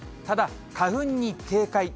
ただ、花粉に警戒。